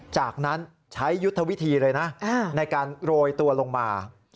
จากนั้นใช้ยุทธวิธีเลยนะในการโรยตัวลงมา